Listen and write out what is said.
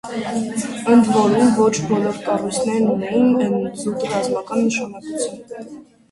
Ընդ որում ոչ բոլոր կառույցներն ունեին զուտ ռազմական նշանակություն։